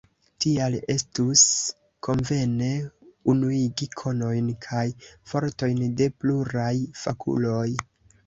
Tial estus konvene unuigi konojn kaj fortojn de pluraj fakuloj.